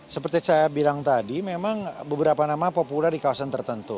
seperti saya bilang tadi memang beberapa nama populer di kawasan tertentu